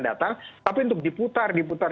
datang tapi untuk diputar diputar